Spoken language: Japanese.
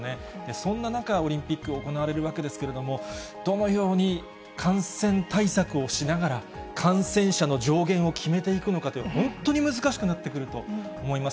そんな中、オリンピックが行われるわけですけれども、どのように感染対策をしながら、観戦者の上限を決めていくのか、本当に難しくなってくると思います。